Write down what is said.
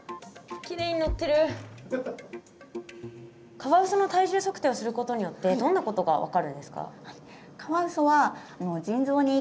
カワウソの体重測定をすることによってどんなことが分かるんですか？